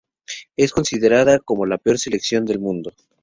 Es considerada como la peor selección del mundo.